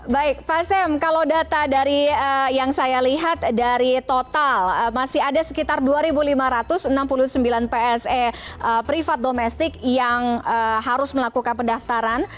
baik pak sam kalau data dari yang saya lihat dari total masih ada sekitar dua lima ratus enam puluh sembilan pse privat domestik yang harus melakukan pendaftaran